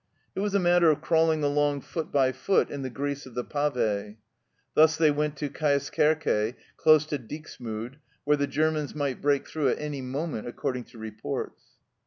It was a matter of crawling along foot by foot in the grease of the pave. Thus they went to Cjaeskerke, close to Dixmude, where the Germans might break through at any moment according to reports.